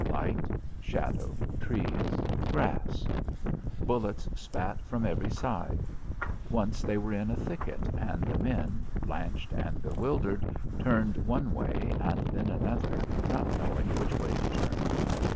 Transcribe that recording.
Light, shadow, trees, grass. Bullets spat from every side. Once they were in a thicket, and the men, blanched and bewildered, turned one way, and then another, not knowing which way to turn.